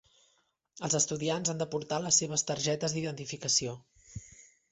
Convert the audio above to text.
Els estudiants han de portar les seves targetes d'identificació.